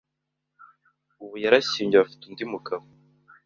Ubu yarashyingiwe afite undi mugabo